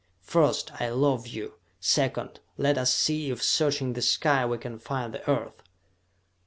First, I love you! Second, let us see if, searching the sky, we can find the Earth!"